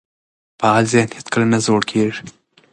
فعال ذهن هیڅکله نه زوړ کیږي.